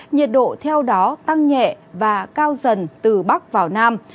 nhiệt độ theo đó tăng nhẹ và cao dần từ bắc vào nam